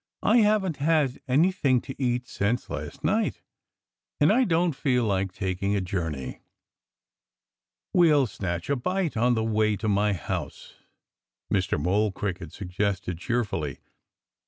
"I haven't had anything to eat since last night. And I don't feel like taking a journey." "We'll snatch a bite on the way to my house," Mr. Mole Cricket suggested cheerfully.